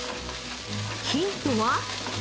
ヒントは？